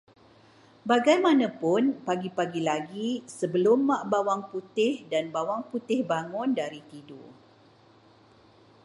Bagaimanapun pagi-pagi lagi sebelum Mak Bawang Putih dan Bawang Putih bangun dari tidur